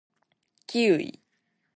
キウイ